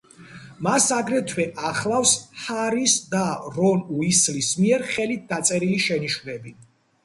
მას აგრეთვე ახლავს ჰარის და რონ უისლის მიერ ხელით დაწერილი შენიშვნები.